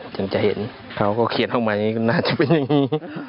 จนจะเห็นเขาก็เขียนเข้ามาน่าจะเป็นอย่างนี้